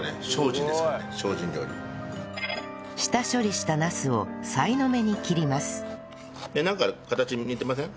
下処理したナスをさいの目に切りますなんかの形に似てません？